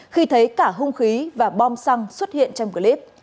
khi thấy cả hung khí và bom xăng xuất hiện trong clip